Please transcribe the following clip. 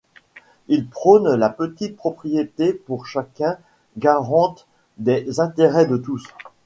Il prône la petite propriété pour chacun, garante des intérêts de tous.